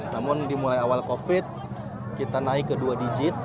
namun dimulai awal covid kita naik ke dua digit